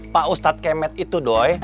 pak ustadz kemet itu doy